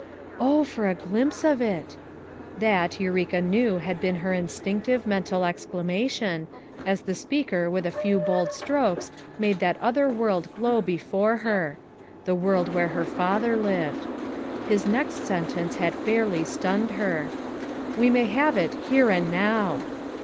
"Oh, for a glimpse of it!" That, Eureka knew had been her instinctive mental exclama tion, as the speaker with a few bold strokes FOUR MOTHERS AT CHAUTAUQUA 219 made that other world glow before her; the world where her father lived. His next sen tence had fairly stunned her: "We may have it here and now."